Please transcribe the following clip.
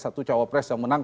satu cowok pres yang menang